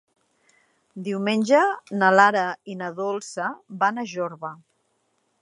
Diumenge na Lara i na Dolça van a Jorba.